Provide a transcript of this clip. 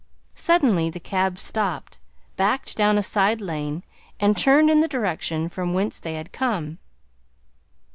Suddenly the cab stopped, backed down a side lane, and turned in the direction from whence they had come.